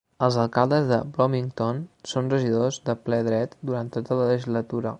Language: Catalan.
Els alcaldes de Bloomington són regidors de ple dret durant tota la legislatura.